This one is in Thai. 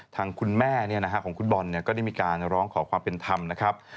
ทางคุณแม่ของคุณบอลก็ได้มีการร้องขอความเป็นธรรมนะครับ